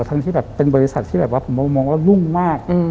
ทั้งที่เป็นบริษัทที่ผมมองว่ารุ่งมาก